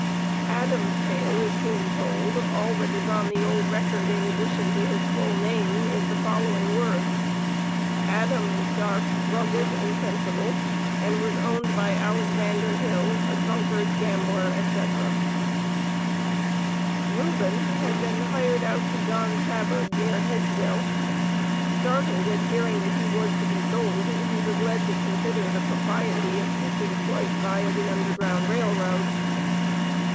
Adam'S tale is soon told; all that is on the old record in addition to his full name, is in the following words: "Adam is dark, rugged and sensible, and was owned by Alexander Hill, a drunkard, gambler, &c." Reuben had been hired out to John Sabbard near Hedgeville. Startled at hearing that he was to be sold, he was led to consider the propriety of seeking flight via the Underground Rail Road.